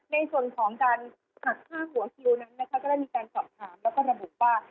ในส่วนของการหักค่าหัวคิวนั้นนะคะก็ได้มีการสอบถามแล้วก็ระบุว่า